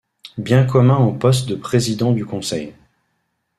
Bien commun au poste de président du Conseil.